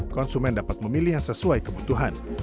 konsumen dapat memilih yang sesuai kebutuhan